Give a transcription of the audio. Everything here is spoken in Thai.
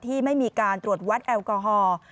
ที่ไม่มีการตรวจวัดแอลกอฮอล์